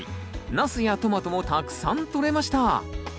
ナスやトマトもたくさんとれました。